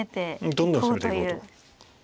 どんどん攻めていこうと。